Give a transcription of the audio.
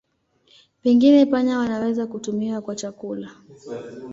Pengine panya wanaweza kutumiwa kwa chakula.